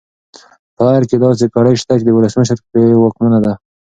په ارګ کې داسې کړۍ شته چې د ولسمشر پرې واکمنه ده.